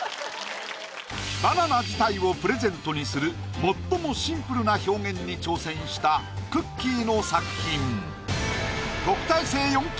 バナナ自体をプレゼントにする最もシンプルな表現に挑戦したくっきー！の作品。